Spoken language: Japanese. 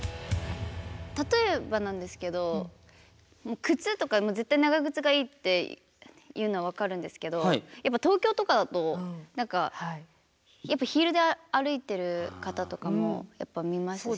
例えばなんですけど靴とか絶対長靴がいいっていうのは分かるんですけどやっぱ東京とかだと何かヒールで歩いてる方とかも見ますし。